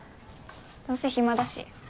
どうせ暇だし。